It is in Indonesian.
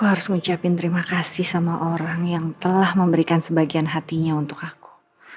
aku harus ngucapin terima kasih sama orang yang telah memberikan sebagian hatinya untuk aku